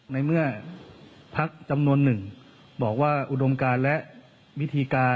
ในเมื่อพักจำนวนหนึ่งบอกว่าอุดมการและวิธีการ